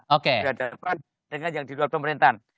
dihadapan dengan yang di luar pemerintahan